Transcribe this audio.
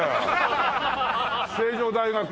成城大学。